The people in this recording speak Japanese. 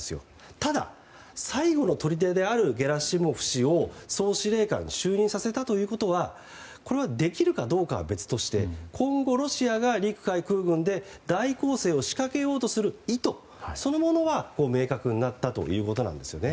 ただ、最後のとりでであるゲラシモフ氏を総司令官に就任させたということはこれはできるかどうかは別として今後、ロシアが陸海空軍で大攻勢を仕掛けようとする意図そのものは明確になったということなんですよね。